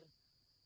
saya akan menjaga